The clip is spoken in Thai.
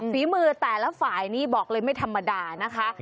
ฝีมือแต่ละฝ่ายนี่บอกเลยไม่ธรรมดานะคะ